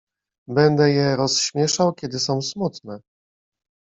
Będę je rozśmieszał, kiedy są smutne.